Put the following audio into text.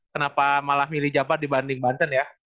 kenapa malah milih jabar dibanding banten ya